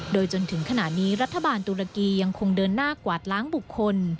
โดยจนถึงขณะนี้รัฐบาลตุรกียังคงเดินหน้ากวาดล้างบุคคล